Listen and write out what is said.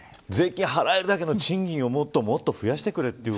税金を払えるだけの賃金をもっと増やしてくれという。